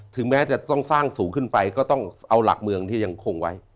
แม้จะต้องสร้างสูงขึ้นไปก็ต้องเอาหลักเมืองที่ยังคงไว้